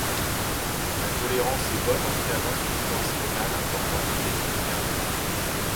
La tolérance est bonne en cas d'insuffisance rénale importante et même terminale.